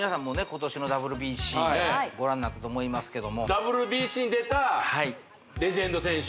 ことしのＷＢＣご覧になったと思いますけどもＷＢＣに出たレジェンド選手？